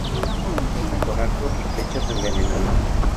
Cazan con arco y flechas envenenadas.